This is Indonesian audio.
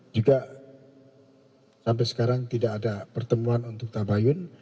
juga sampai sekarang tidak ada pertemuan untuk tabayun